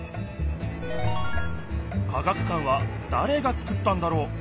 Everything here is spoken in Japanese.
科学館はだれがつくったんだろう。